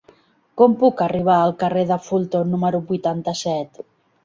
Com puc arribar al carrer de Fulton número vuitanta-set?